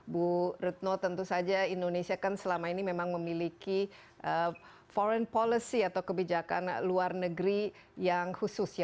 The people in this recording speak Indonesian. bu retno tentu saja indonesia kan selama ini memang memiliki foreign policy atau kebijakan luar negeri yang khusus ya